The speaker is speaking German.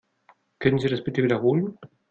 Können Sie das bitte wiederholen?